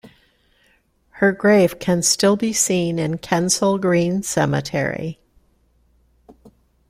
Her grave can still be seen in Kensal Green Cemetery.